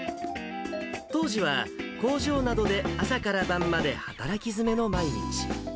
当時は工場などで朝から晩まで働き詰めの毎日。